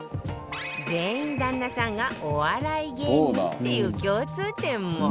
全員旦那さんがお笑い芸人っていう共通点も